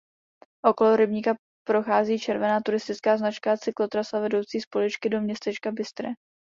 Okolo rybníka prochází červená turistická značka a cyklotrasa vedoucí z Poličky do městečka Bystré.